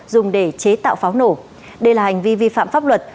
dùng để chế tạo pháo nổ đây là hành vi vi phạm pháp luật